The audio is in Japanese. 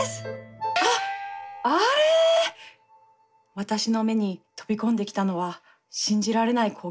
私の目に飛び込んできたのは信じられない光景だった。